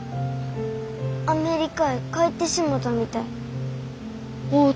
アメリカへ帰ってしもたみたい。